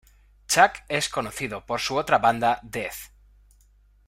Chuck es conocido por su otra banda Death.